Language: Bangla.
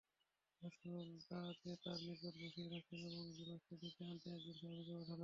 রাসূল তাকে তাঁর নিকট বসিয়ে রাখলেন এবং জুলাসকে ডেকে আনতে একজন সাহাবীকে পঠালেন।